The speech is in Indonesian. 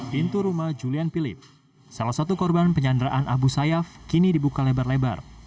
pintu rumah julian philip salah satu korban penyanderaan abu sayyaf kini dibuka lebar lebar